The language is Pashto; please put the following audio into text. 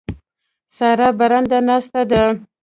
سارا برنده ناسته ده.